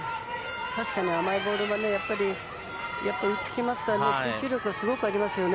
確かに甘いボールは打ってきますから集中力はすごくありますよね。